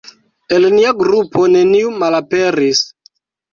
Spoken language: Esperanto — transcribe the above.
El nia grupo neniu malaperis!